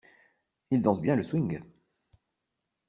Il danse bien le swing.